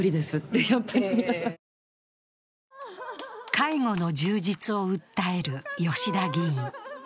介護の充実を訴える吉田議員。